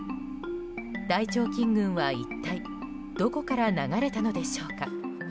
大腸菌群は一体どこから流れたのでしょうか。